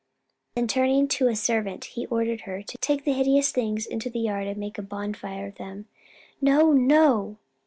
Then turning to a servant he ordered her to "take the hideous things into the yard and make a bonfire of them." "No, no!"